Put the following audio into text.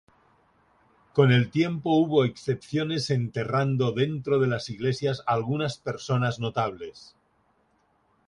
Con el tiempo hubo excepciones enterrando dentro de las iglesias algunas personas notables.